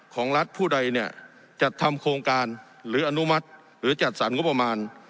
ของรัฐผู้ใดเนี่ยจัดทำโครงการหรืออนุมัติหรือจัดสรรงบประมาณ